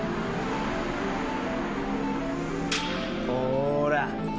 ほら！